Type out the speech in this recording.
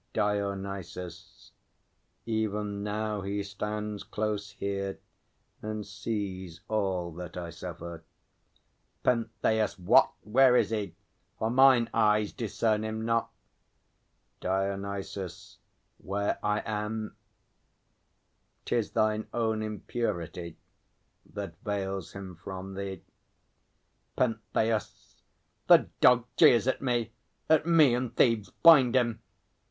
DIONYSUS. Even now he stands Close here, and sees all that I suffer. PENTHEUS. What? Where is he? For mine eyes discern him not. DIONYSUS. Where I am! 'Tis thine own impurity That veils him from thee. PENTHEUS. The dog jeers at me! At me and Thebes! Bind him!